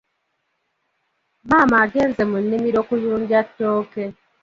Maama agenze mu nnimiro kuyunja tooke.